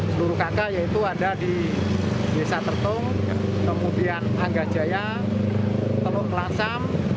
seluruh kakak yaitu ada di desa tertung kemudian anggah jaya teluk kalangsam